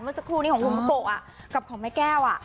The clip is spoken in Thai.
เมื่อสักครู่ของลูกภาโกะกับของแม่แก้ว